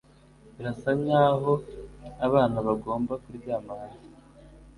birasa nkaho abana bagomba kuryama hasi